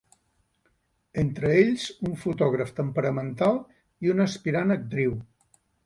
Entre ells un fotògraf temperamental i una aspirant a actriu.